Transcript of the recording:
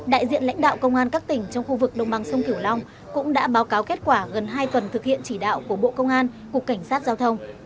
đại diện lãnh đạo công an các tỉnh trong khu vực đồng bằng sông kiểu long cũng đã báo cáo kết quả gần hai tuần thực hiện chỉ đạo của bộ công an cục cảnh sát giao thông